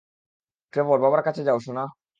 Trevor, বাবার কাছে যাও, সোনা।